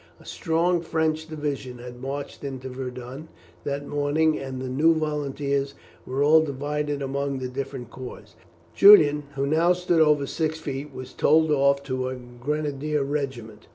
A strong French division had marched into Verdun that morning, and the new volunteers were all divided among different corps. Julian, who now stood over six feet, was told off to a Grenadier regiment.